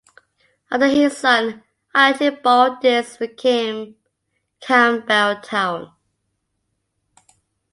Under his son, Archibald, this became Campbeltown.